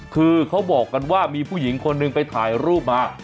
คือเขาบอกกันว่ามีผู้หญิงคนหนึ่งไปถ่ายรูปมา